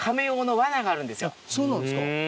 そうなんですかへぇ。